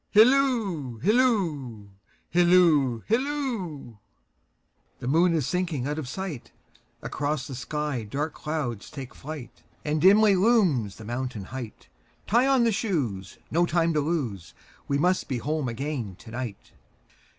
Hilloo, hilloo, hilloo, hilloo! The moon is sinking out of sight, Across the sky dark clouds take flight, And dimly looms the mountain height; Tie on the shoes, no time to lose, We must be home again to night.